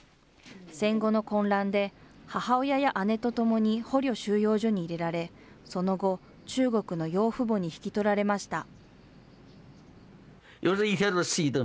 戦後の混乱で、母親や姉とともに捕虜収容所に入れられ、その後、中国の養父母に引き取られました。